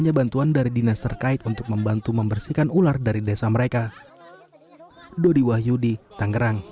dan juga bantuan dari dinas terkait untuk membantu membersihkan ular dari desa mereka